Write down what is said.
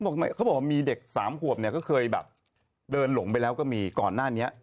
เขาบอกว่ามีเด็กสามขวบเนี่ยก็เคยแบบเดินหลงไปแล้วก็มีก่อนหน้านี้